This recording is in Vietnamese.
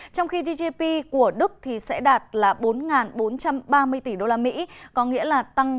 trong khi gdp của đức sẽ đạt bốn bốn trăm ba mươi tỷ usd có nghĩa là tăng tám bốn